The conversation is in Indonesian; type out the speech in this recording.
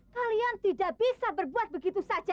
kalian tidak bisa berbuat begitu saja